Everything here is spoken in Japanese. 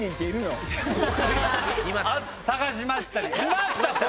探しましたら。